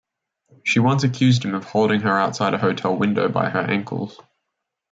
She once accused him of holding her outside a hotel window by her ankles.